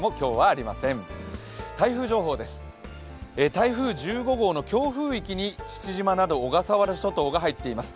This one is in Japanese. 台風１５号の強風域に父島など、小笠原諸島が入っています。